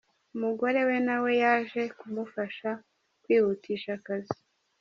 Umugore we nawe yaje kumufasha kwihutisha akazi.